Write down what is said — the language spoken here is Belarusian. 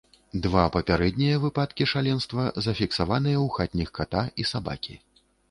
Два папярэднія выпадкі шаленства зафіксаваныя ў хатніх ката і сабакі.